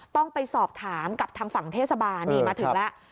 ต้องไปสอบถามกับทางฝั่งเทศบาลนี่มาถึงแล้ว